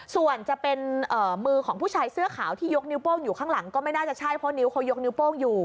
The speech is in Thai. ส่วนจะเป็นมือของผู้ชายเสื้อขาวที่ยกนิ้วโป้งอยู่ข้างหลังก็ไม่น่าจะใช่เพราะนิ้วเขายกนิ้วโป้งอยู่